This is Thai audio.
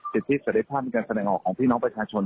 สิทธิเสร็จภาพในการแสดงออกของพี่น้องประชาชน